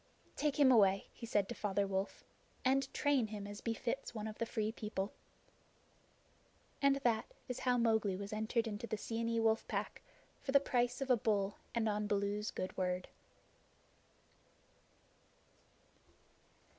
"Take him away," he said to Father Wolf, "and train him as befits one of the Free People." And that is how Mowgli was entered into the Seeonee Wolf Pack for the price of a bull and on Baloo's good word.